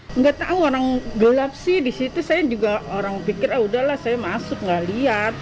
tidak tahu orang gelap sih di situ saya juga orang pikir ah udahlah saya masuk tidak lihat